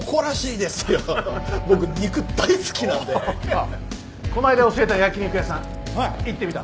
あっこの間教えた焼き肉屋さん行ってみた？